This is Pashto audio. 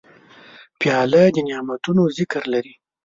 پیاله د نعتونو ذکر لري.